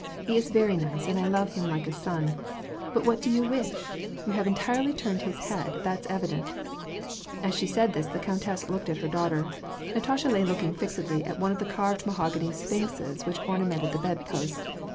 He is very nice, and I love him like a son, but what do you wish ? You have entirely turned his head, that's evident "— As she said this, the countess looked at her daughter. Natasha lay looking fixedly at one of the carved mahogany sphinxes which ornamented the bedposts.